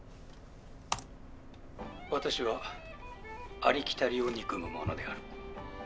私はありきたりを憎む者である。